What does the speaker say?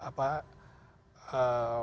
membaca situasi apa